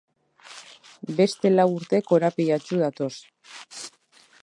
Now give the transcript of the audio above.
Beste lau urte korapilatsu datoz.